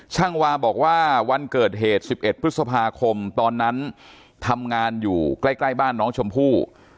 วาบอกว่าวันเกิดเหตุ๑๑พฤษภาคมตอนนั้นทำงานอยู่ใกล้บ้านน้องชมพู่